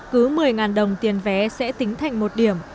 cứ một mươi đồng tiền vé sẽ tính thành một điểm